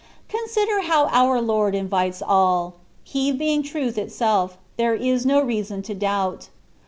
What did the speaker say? Con sider, how our Lord invites all; He being truth itself, there is no reason to doubt.